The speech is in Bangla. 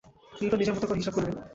নিউটন নিজের মত করে হিসেব করে নিলেন।